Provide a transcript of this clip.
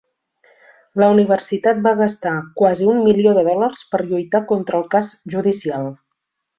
La universitat va gastar quasi un milió de dòlars per lluitar contra el cas judicial.